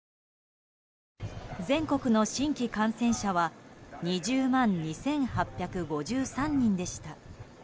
全国の新規感染者は２０万２８５３人でした。